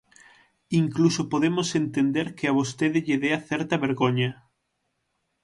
Incluso podemos entender que a vostede lle dea certa vergoña.